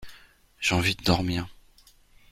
J’ai envie de dormir.